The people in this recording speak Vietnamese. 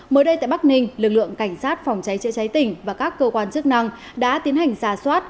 mới đây tại bắc ninh lực lượng cảnh sát phòng cháy chữa cháy tỉnh và các cơ quan chức năng đã tiến hành giả soát